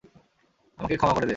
আমাকে ক্ষমা করে দে।